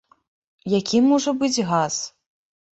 Які можа быць газ?